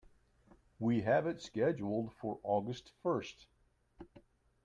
We have it scheduled for August first.